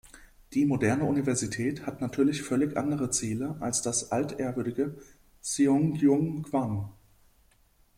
Die moderne Universität hat natürlich völlig andere Ziele als das altehrwürdige "Seonggyun-gwan".